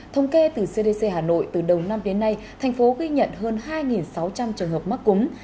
thống kê từ cdc hà nội từ đầu năm đến nay thành phố ghi nhận hơn hai sáu trăm linh trường hợp mắc cúm